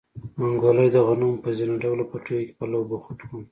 منګلی د غنمو په زينه ډوله پټيو کې په لو بوخت و.